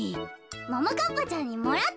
ももかっぱちゃんにもらったのね。